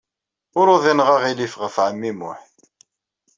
Ur uḍineɣ aɣilif ɣef ɛemmi Muḥ.